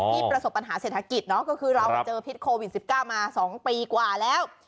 ประสบปัญหาเศรษฐกิจเนาะก็คือเราเจอพิษโควิด๑๙มา๒ปีกว่าแล้ว